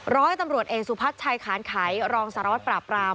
ร้อยตำรวจเอกสุพัฒน์ชัยขานไขรองสารวัตรปราบราม